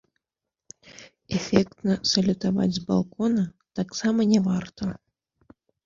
Эфектна салютаваць з балкона таксама не варта.